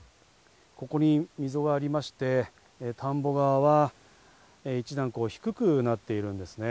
ここに溝がありまして、田んぼ側は一段低くなっているんですね。